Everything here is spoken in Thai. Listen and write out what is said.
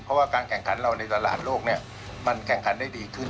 เพราะว่าการแข่งขันเราในตลาดโลกมันแข่งขันได้ดีขึ้น